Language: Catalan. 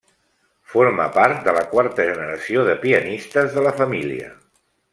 Forma part de la quarta generació de pianistes de la família.